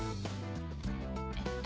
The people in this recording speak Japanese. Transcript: えっと。